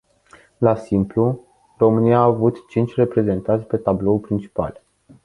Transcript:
La simplu, România a avut cinci reprezentanți pe tabloul principal.